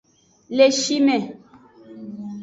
Le shi me.